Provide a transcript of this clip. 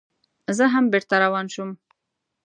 زه هم بېرته روان شوم.